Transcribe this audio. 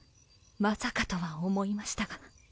まさかとは思いましたが。